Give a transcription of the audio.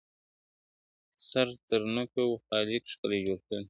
سر تر نوکه وو خالق ښکلی جوړ کړی !.